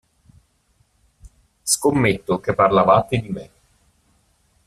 Scommetto che parlavate di me.